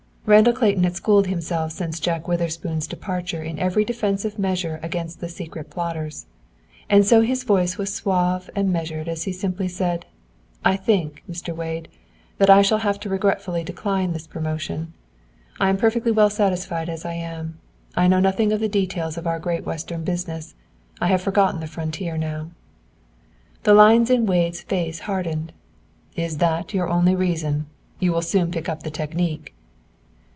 Randall Clayton had schooled himself since Jack Witherspoon's departure in every defensive measure against the secret plotters. And so his voice was suave and measured as he simply said, "I think, Mr. Wade, that I shall have to regretfully decline this promotion. I am perfectly well satisfied as I am. I know nothing of the details of our great Western business. I have forgotten the frontier now." The lines in Wade's face hardened. "Is that your only reason? You will soon pick up the technique!"